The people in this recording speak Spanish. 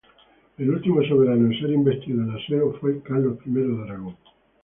El último soberano en ser investido en la Seo fue Carlos I de Aragón.